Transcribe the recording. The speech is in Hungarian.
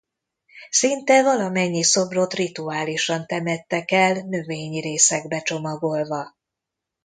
Szinte valamennyi szobrot rituálisan temettek el növényi részekbe csomagolva.